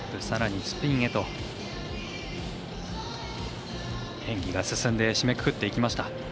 さらにスピンへと演技が進んで締めくくっていきました。